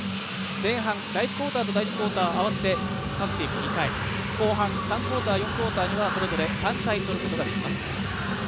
前半、第１クオーターと第２クオーター合わせて各チーム２回、後半、第３クオーターと第４クオーター、それぞれ３回取ることができます。